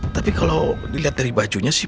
tapi kalau dilihat dari bajunya sih